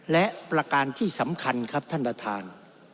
และประการที่สำคัญครับท่านประธาน